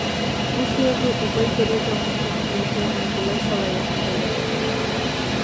Бу сыаҕы убай кэриэтэ оҥостубут киһитэ Ньукулай салайан үлэлэтэр